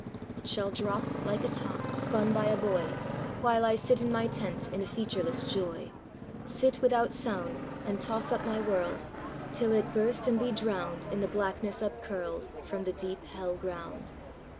It shall drop Like a top Spun by a boy, While I sit in my tent, In a featureless joy Sit without sound, And toss up my world, Till it burst and be drowned In the blackness upcurled From the deep hell ground.